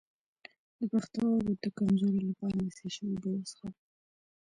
د پښتورګو د کمزوری لپاره د څه شي اوبه وڅښم؟